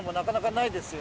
ないですね